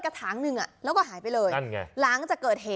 กระถางนึงอะแล้วก็หายไปเลยนั่นไงหลังจะเกิด